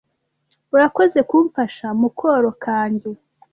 Urakoze kumfasha mukoro kanjye.